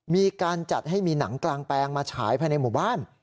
มีการจัดให้มีหนังกลางแปลงมาฉายภายในหมู่บ้าน